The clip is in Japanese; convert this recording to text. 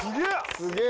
すげえ！